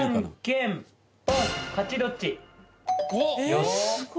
よし！